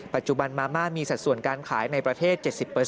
ปัจจุบันมาม่ามีสัดส่วนการขายในประเทศ๗๐